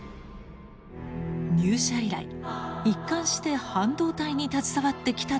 入社以来一貫して半導体に携わってきた鳥羽さん。